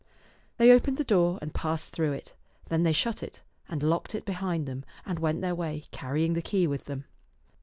They opened the door and passed through it. Then they shut it, and locked it behind them, and went their way, carrying the key with them.